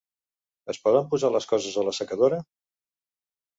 Es poden posar les coses a l'assecadora?